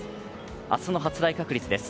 明日の発雷確率です。